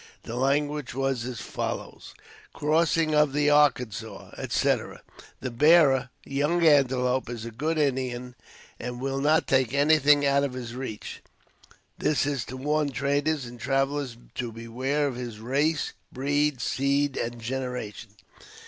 The language was as follows: "Crossing of the Arkansas," etc. "The bearer, Young Antelope, is a good Indian and will not take anything out of his reach. This is to warn traders and travelers to beware of his race, breed, seed, and generation."